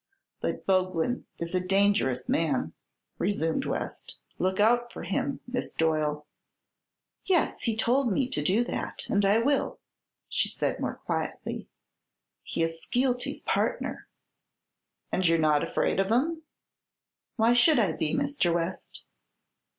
"But Boglin is a dangerous man," resumed West. "Look out for him. Miss Doyle." "Yes; he told me to do that, and I will," said she, more quietly. "He is Skeelty's partner." "And you're not afraid of him?" "Why should I be, Mr. West?"